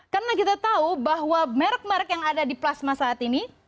karena kita tahu bahwa merk merk yang ada di plasma saat ini